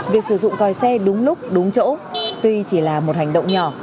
việc sử dụng còi xe đúng lúc đúng chỗ tuy chỉ là một hành động nhỏ